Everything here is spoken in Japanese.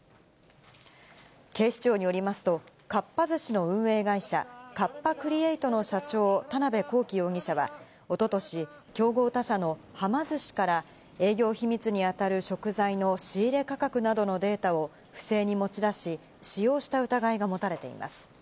警視庁によりますと、かっぱ寿司の運営会社、カッパ・クリエイトの社長、田辺公己容疑者は、おととし、競合他社のはま寿司から、営業秘密に当たる食材の仕入れ価格などのデータを不正に持ち出し、使用した疑いが持たれています。